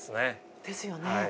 ですよね。